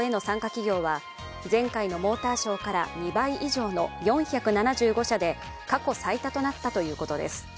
企業は前回のモーターショーから２倍以上の４７５社で過去最多となったということです。